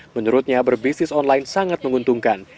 menurutnya berbisnis online sangat menguntungkan